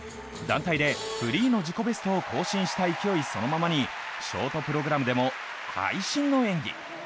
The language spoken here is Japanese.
団体でフリーの自己ベストを更新した勢いそのままにショートプログラムでも会心の演技。